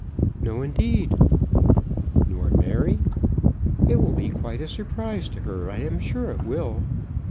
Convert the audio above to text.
"No, indeed." "Nor Mary?" "It will be quite a surprise to her. I am sure it will."